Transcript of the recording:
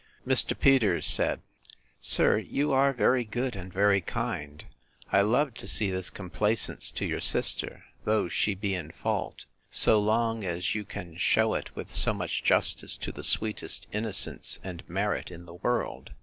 Mr. Peters said, Sir, you are very good, and very kind; I love to see this complaisance to your sister, though she be in fault, so long as you can shew it with so much justice to the sweetest innocence and merit in the world.